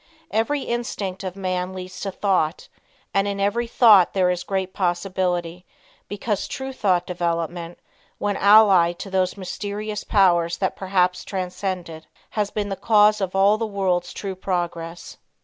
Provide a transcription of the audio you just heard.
Every instinct of man leads to thought, and in every thought there is great possibility because true thought development, when allied to those mysterious powers which perhaps transcend it, has been the cause of all the world's true progress.